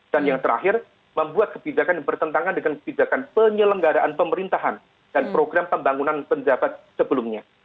dan yang terakhir membuat kebijakan yang bertentangan dengan kebijakan penyelenggaraan pemerintahan dan program pembangunan pejabat sebelumnya